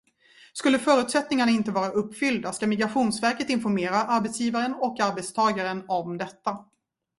Skulle förutsättningarna inte vara uppfyllda ska Migrationsverket informera arbetsgivaren och arbetstagaren om detta.